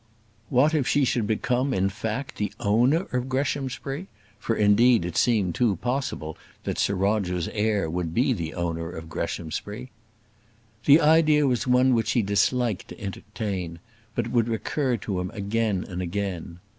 What, if she should become, in fact, the owner of Greshamsbury? for, indeed it seemed too possible that Sir Roger's heir would be the owner of Greshamsbury. The idea was one which he disliked to entertain, but it would recur to him again and again.